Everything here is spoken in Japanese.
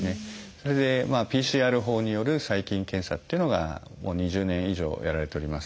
それでＰＣＲ法による細菌検査っていうのがもう２０年以上やられております。